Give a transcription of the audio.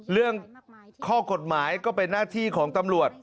เรื่องข้อกฎหมายก็เป็นหน้าที่ของตำรวจ